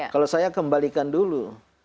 kalau saya kembalikan dulu